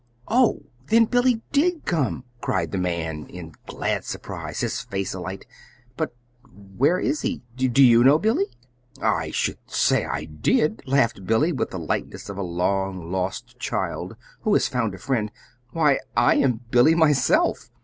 "Oh, then Billy did come!" cried the man in glad surprise, his face alight. "But where is he? Do YOU know Billy?" "I should say I did," laughed Billy, with the lightness of a long lost child who has found a friend. "Why, I am Billy, myself!"